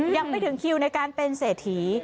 ยังไม่ถึงคิวในการเป็นเศรษฐี